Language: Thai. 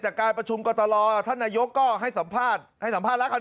จากการประชุมกรตลท่านนายกก็ให้สัมภาษณ์ให้สัมภาษณ์แล้วกัน